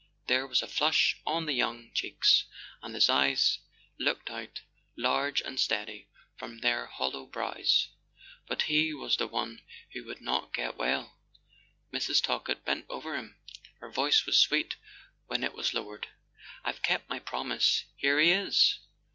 There was a flush on his young cheeks and his eyes looked out, large and steady, from their hollow brows. But he was the one who would not get well. Mrs. Talkett bent over him: her voice was sweet when it was lowered. "I've kept my promise. Here he is."